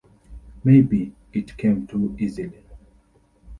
Maybe it came too easily.